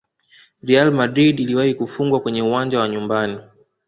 real madrid iliwahi kufungwa kwenye uwanja wa nyumbani